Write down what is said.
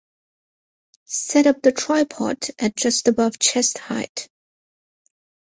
Set up the tripod at just above chest height.